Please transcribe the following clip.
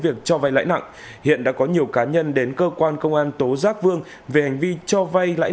việc cho vay lãi nặng hiện đã có nhiều cá nhân đến cơ quan công an tố giác vương về hành vi cho vay lãi